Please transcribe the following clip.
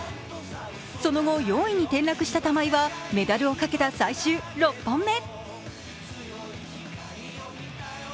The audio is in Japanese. その後、４位に転落した玉井はメダルをかけた最終６本目。